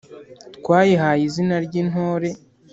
Twayihaye izina ry'intore